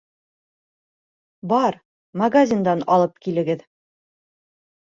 Бар, магазиндан алып килегеҙ!